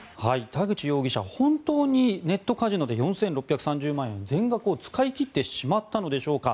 田口容疑者、本当にネットカジノで４６３０万円全額を使い切ってしまったのでしょうか